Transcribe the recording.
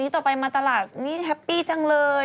ต่อไปมาตลาดนี่แฮปปี้จังเลย